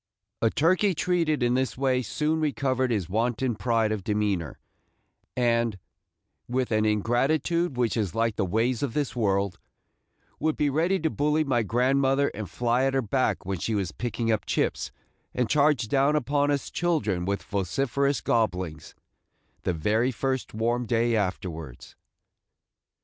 A turkey treated in this way soon recovered his wonted pride of demeanor, and, with an ingratitude which is like the ways of this world, would be ready to bully my grandmother and fly at her back when she was picking up chips, and charge down upon us children with vociferous gobblings, the very first warm day afterwards.